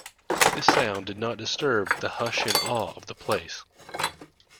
This sound did not disturb the hush and awe of the place.